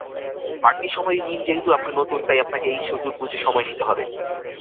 বাড়তি সময় নিনযেহেতু আপনি নতুন, তাই আপনাকেই সুযোগ বুঝে সময় নিতে হবে।